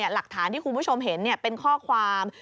หลักฐานที่คุณผู้ชมเห็นเป็นข้อความ